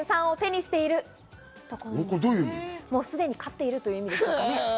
すでに勝っているという意味ですね。